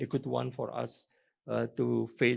saya pikir ini adalah yang baik untuk kita